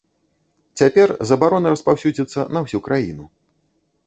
Цяпер забарона распаўсюдзіцца на ўсю краіну.